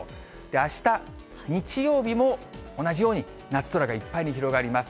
あした日曜日も同じように夏空がいっぱいに広がります。